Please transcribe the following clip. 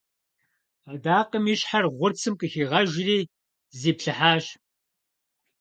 Адакъэм и щхьэр гъурцым къыхигъэжри зиплъыхьащ.